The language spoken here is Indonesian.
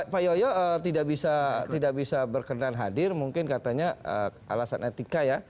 pak yoyo tidak bisa berkenan hadir mungkin katanya alasan etika ya